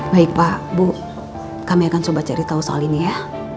baik pak bu kami akan coba cari tahu soal ini ya